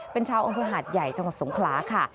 เป็นชาวอำเภอหาดใหญ่จังหวัดสงขลาค่ะ